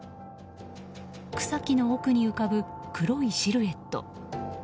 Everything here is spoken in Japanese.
草木の奥に浮かぶ黒いシルエット。